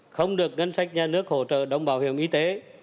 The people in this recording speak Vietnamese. không được ngân sách nhà nước hỗ trợ đóng bảo hiểm y tế